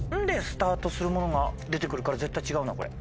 するものが出て来るから絶対違うなこれ。